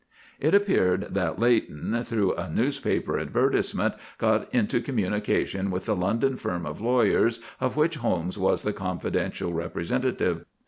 It appeared that Leighton, through a newspaper advertisement, got into communication with the London firm of lawyers of which Holmes was the confidential representative.